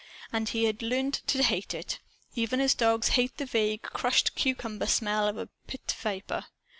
And he had learned to hate it, even as a dog hates the vague "crushed cucumber" smell of a pitviper.